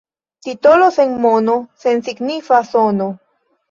Titolo sen mono — sensignifa sono.